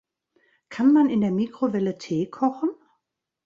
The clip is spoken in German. Kann man in der Mikrowelle Tee kochen?